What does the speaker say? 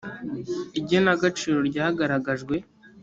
igenagaciro ryagaragajwe.